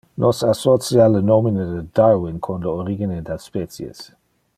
Nos associa le nomine de Darwin con Le Origine del Species.